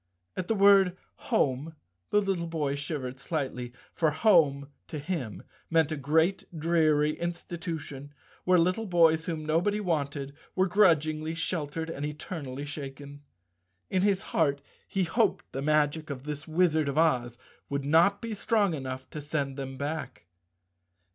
At the word "home" the little boy shivered slightly, for home to him meant a great, dreary institution where little boys whom nobody wanted were grudgingly sheltered and eternally shaken. In his heart he hoped the magic of this Wizard of Oz would not be strong enough to send them back.